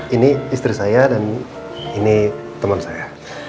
ini istri saya dan ini teman saya